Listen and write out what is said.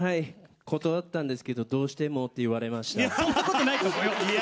断ったんですけどどうしてもって言われました。